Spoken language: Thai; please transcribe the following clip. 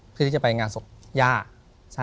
เพื่อที่จะไปงานศพย่า